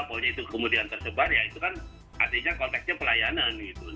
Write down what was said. kalau itu kemudian tersebar ya itu kan artinya konteksnya pelayanan gitu